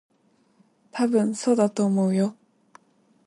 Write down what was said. たぶん、そうだと思うよ。